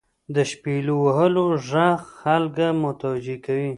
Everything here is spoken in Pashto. • د شپیلو وهلو ږغ خلک متوجه کوي.